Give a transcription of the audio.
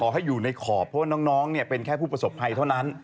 ให้อยู่ในขอบเพราะว่าน้องเป็นแค่ผู้ประสบภัยเท่านั้น